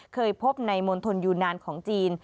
เคยพบในมณฑลยูนานของจีน